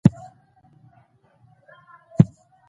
زمرد د افغانستان د هیوادوالو لپاره ویاړ دی.